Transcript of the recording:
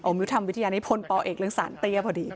มิวทำวิทยานิพลปเอกเรื่องสารเตี้ยพอดี